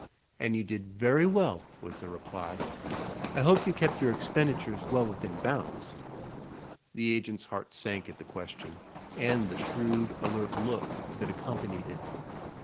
"And you did very well," was the reply. "I hope you kept your expenditures well within bounds?" The agent's heart sank at the question and the shrewd, alert look that accompanied it.